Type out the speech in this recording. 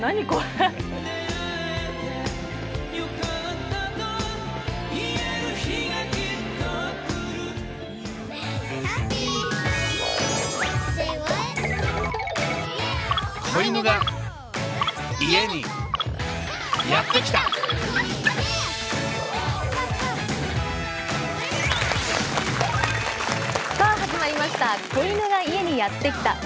「子犬が家にやってきた！」。